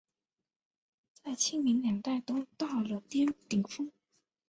在清民两代都到了顶峰。